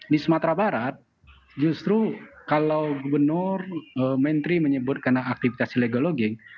di sumatera barat justru kalau gubernur menteri menyebut karena aktivitas illegal logging